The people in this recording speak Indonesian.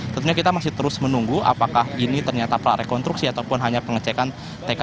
tentunya kita masih terus menunggu apakah ini ternyata prarekonstruksi ataupun hanya pengecekan tkp